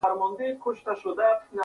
د وزرونو د ښکالو آهنګ یې